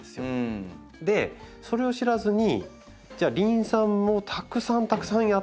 それを知らずにじゃあリン酸をたくさんたくさんやってると。